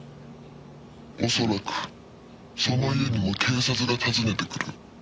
「おそらくその家にも警察が訪ねてくる」